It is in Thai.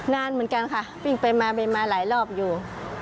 นานเหมือนกันค่ะวิ่งไปมาหลายรอบอยู่